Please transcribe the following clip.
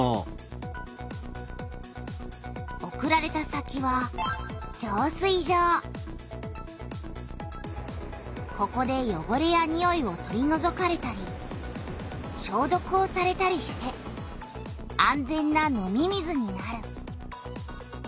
送られた先はここでよごれやにおいを取りのぞかれたりしょうどくをされたりして安全な飲み水になる。